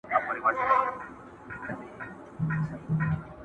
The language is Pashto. وېل سینه کي به یې مړې ډېوې ژوندۍ کړم,